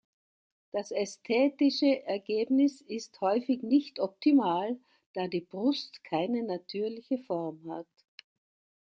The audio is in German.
Das ästhetische Ergebnis ist häufig nicht optimal, da die Brust keine natürliche Form hat.